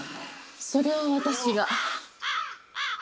それは私が。